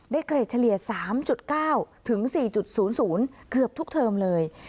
เกรดเฉลี่ย๓๙๔๐๐เกือบทุกเทอมเลย